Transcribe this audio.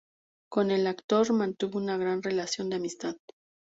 Con el actor mantuvo una gran relación de amistad.